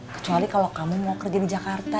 kecuali kalau kamu mau kerja di jakarta